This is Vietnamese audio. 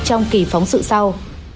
trong kỳ phóng sự sau